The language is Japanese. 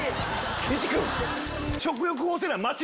岸君！